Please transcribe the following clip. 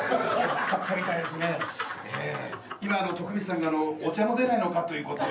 今徳光さんがお茶も出ないのかという事で。